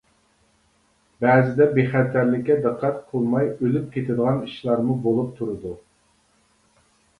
بەزىدە بىخەتەرلىككە دىققەت قىلماي ئۆلۈپ كېتىدىغان ئىشلارمۇ بولۇپ تۇرىدۇ.